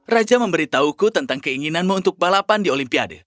raja memberitahuku tentang keinginanmu untuk balapan di olimpiade